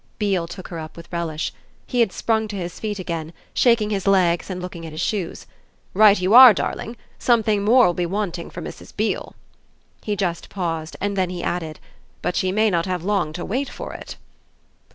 Beale took her up with relish; he had sprung to his feet again, shaking his legs and looking at his shoes. "Right you are, darling! Something more will be wanted for Mrs. Beale." He just paused, then he added: "But she may not have long to wait for it."